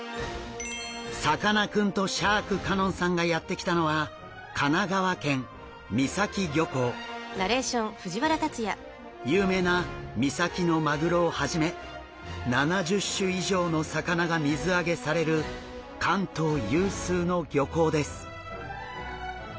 さかなクンとシャーク香音さんがやって来たのは有名な三崎のマグロをはじめ７０種以上の魚が水揚げされる関東有数の漁港です。